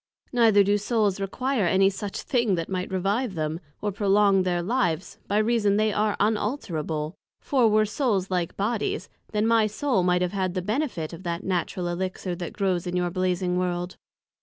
Neither do Souls require any such thing that might revive them, or prolong their Lives, by reason they are unalterable: for, were Souls like Bodies, then my Soul might have had the benefit of that Natural Elixir that grows in your Blazing World.